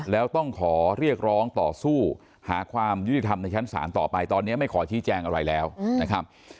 แล้วต้องขอเรียกร้องต่อสู้หาความยุติธรรมในชั้นศาลต่อไปตอนนี้ไม่ขอชี้แจงอะไรแล้วนะครับ